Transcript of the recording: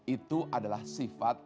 itu adalah sifat allah asmaul husna